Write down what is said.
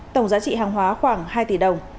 tổng giá trị hàng hóa khoảng hai tỷ đồng